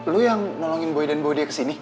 lu yang nolongin boy dan bawa dia kesini